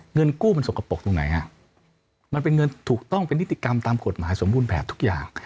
เงินกู้มันสกปรกตรงไหนฮะมันเป็นเงินถูกต้องเป็นนิติกรรมตามกฎหมายสมบูรณ์แบบทุกอย่าง